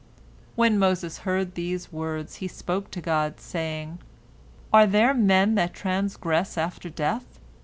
When Moses heard these words, he spoke to God, saying, "Are there men that transgress after death?"